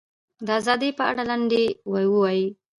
د ازادۍ په اړه لنډۍ ووایي.